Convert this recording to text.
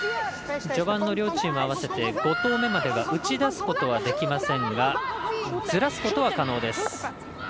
序盤の両チーム合わせて５投目までは打ち出すことはできませんがずらすことは可能です。